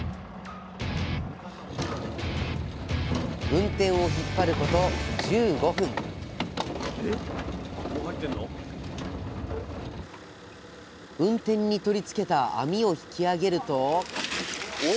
ウンテンを引っ張ること１５分ウンテンに取り付けた網を引き揚げるとお！